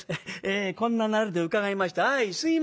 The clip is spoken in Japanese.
こんななりで伺いまして相すいません。